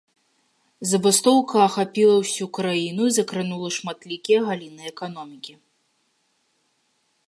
Забастоўка ахапіла ўсю краіну і закранула шматлікія галіны эканомікі.